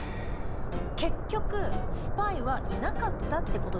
結局スパイはいなかったってことですか？